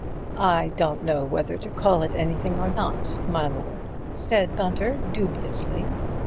"I don't know whether to call it anything or not, my lord," said Bunter, dubiously.